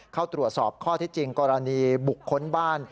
เข้าตรวจสอบข้อที่จริงกรณีบุคคลบ้าน